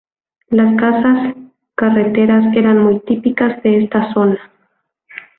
Las casas carreteras eran muy típicas de esta zona.